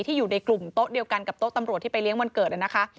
อยู่ในกลุ่มโต๊ะเดียวกันกับโต๊ะตำรวจที่ไปเลี้ยงวันเกิดนะคะ